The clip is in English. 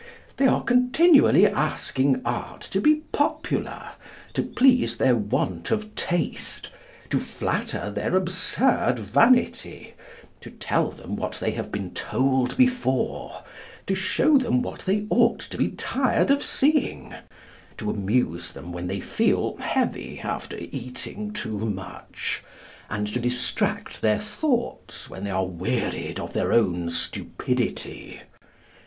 They are continually asking Art to be popular, to please their want of taste, to flatter their absurd vanity, to tell them what they have been told before, to show them what they ought to be tired of seeing, to amuse them when they feel heavy after eating too much, and to distract their thoughts when they are wearied of their own stupidity.